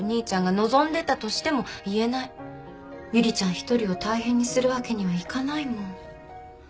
一人を大変にするわけにはいかないもん。